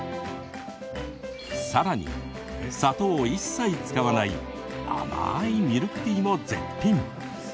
さらに砂糖を一切使わない甘いミルクティーも絶品。